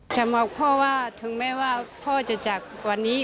จำว่าพ่อว่าถึงไม่ว่าพ่อจะจักรวรรณี